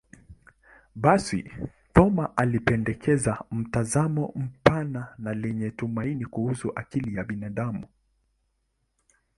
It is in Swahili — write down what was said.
Basi, Thoma alipendekeza mtazamo mpana na lenye tumaini kuhusu akili ya binadamu.